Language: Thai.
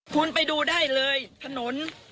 คุณไปดูได้เลยถนน